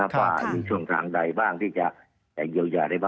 ต่อไม่ช่วงทางใดบ้างที่จะได้เยียวยาได้ปะ